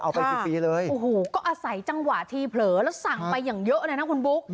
ไปฟรีเลยโอ้โหก็อาศัยจังหวะที่เผลอแล้วสั่งไปอย่างเยอะเลยนะคุณบุ๊ค